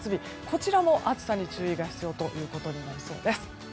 こちらも暑さに注意が必要ということになりそうです。